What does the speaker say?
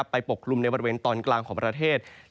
ปกคลุมในบริเวณตอนกลางของประเทศ